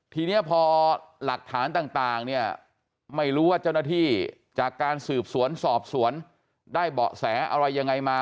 ทีนี้พอหลักฐานต่างเนี่ยไม่รู้ว่าเจ้าหน้าที่จากการสืบสวนสอบสวนได้เบาะแสอะไรยังไงมา